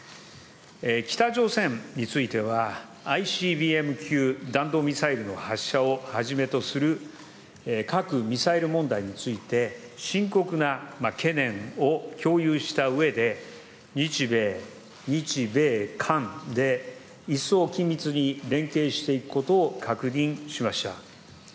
北朝鮮については、ＩＣＢＭ級弾道ミサイルの発射をはじめとする核・ミサイル問題について、深刻な懸念を共有したうえで、日米、日米韓で一層緊密に連携していくことを確認しました。